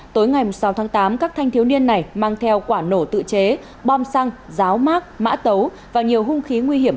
tối ngày sáu tháng tám các thanh thiếu niên này mang theo quả nổ tự chế bom xăng ráo mát mã tấu và nhiều hung khí nguy hiểm